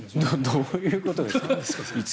どういうことですか。